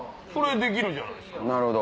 それできるじゃないですか。